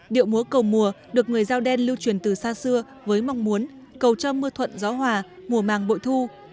điệu múa cầu mùa được người giao đen lưu truyền từ xa xưa với mong muốn cầu cho mưa thuận gió hòa mùa màng bội thu